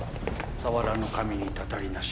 触らぬ神にたたりなし。